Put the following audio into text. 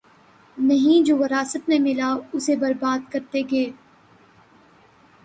نہیں‘ جو وراثت میں ملا اسے بربادکرتے گئے۔